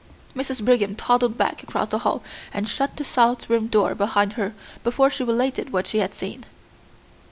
Mrs. Brigham toddled back across the hall and shut the south room door behind her before she related what she had seen.